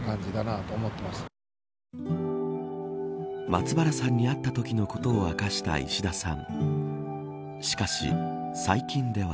松原さんに会ったときのことを明かした石田さんしかし最近では。